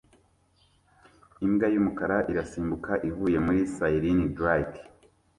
Imbwa yumukara irasimbuka ivuye muri silindrike